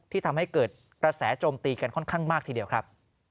ทำให้เกิดกระแสโจมตีกันค่อนข้างมากทีเดียวครับ